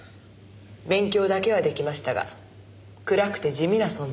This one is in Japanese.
勉強だけは出来ましたが暗くて地味な存在でした。